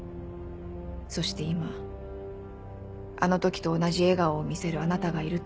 そして今あの時と同じ笑顔を見せるあなたがいると。